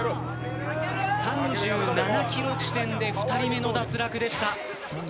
３７キロ地点で２人目の脱落でした。